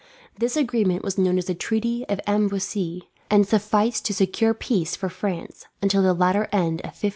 This agreement was known as the Treaty of Amboise, and sufficed to secure peace for France, until the latter end of 1567.